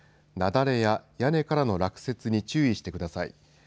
雪崩や屋根からの落雪に注意してください。